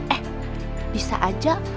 eh bisa aja